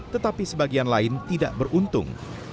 tetapi sebagian lain tidak beruntung